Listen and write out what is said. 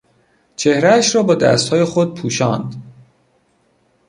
چهرهاش را با دستهای خود پوشاند.